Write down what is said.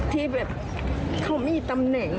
ที่แบบเขามีตำแหน่ง